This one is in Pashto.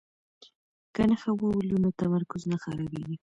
که نښه وولو نو تمرکز نه خرابیږي.